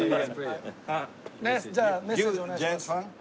じゃあメッセージお願いします。